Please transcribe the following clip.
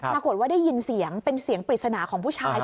ปรากฏว่าได้ยินเสียงเป็นเสียงปริศนาของผู้ชาย